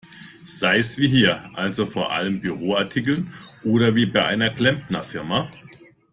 Sei's wie hier, also vor allem Büroartikel, oder wie bei einer Klempnerfirma.